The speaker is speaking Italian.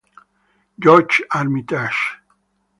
George Armitage